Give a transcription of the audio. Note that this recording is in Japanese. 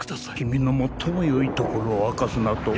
君の最もよいところを明かすなと？